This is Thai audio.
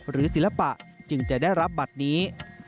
ศิลปะจึงจะได้รับบัตรนี้